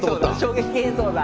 衝撃映像だ。